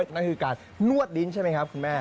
นั่นคือการนวดลิ้นใช่ไหมครับคุณแม่